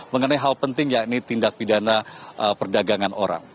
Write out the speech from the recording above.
mengenai hal penting yakni tindak pidana perdagangan orang